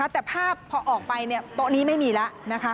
แต่ภาพพอออกไปโต๊ะนี้ไม่มีแล้วนะคะ